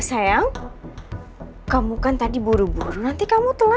sayang kamu kan tadi buru buru nanti kamu telah